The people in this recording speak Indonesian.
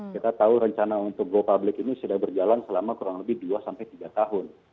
kita tahu rencana untuk go public ini sudah berjalan selama kurang lebih dua sampai tiga tahun